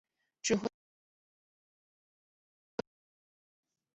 指挥官若乌凯夫斯基与科涅茨波尔斯基带兵至楚措拉作战。